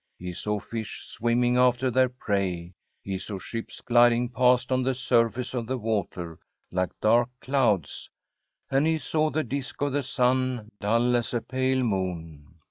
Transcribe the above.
He saw fish swimming after their prey ; he saw ships gliding past on the surface of the water, like dark clouds ; and he saw the disc of the sun, dull as a pale moon.